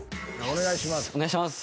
お願いします。